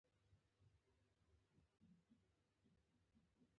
دا حجرې شاوخوا له یو مایع څخه ډکې دي.